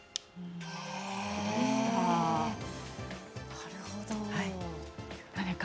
なるほど。